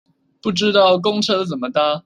不知道公車怎麼搭